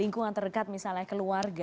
lingkungan terdekat misalnya keluarga